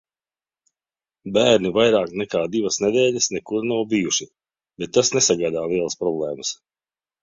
Bērni vairāk nekā divas nedēļas nekur nav bijuši, bet tas nesagādā lielas problēmas.